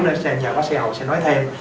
bác sĩ hậu sẽ nói thêm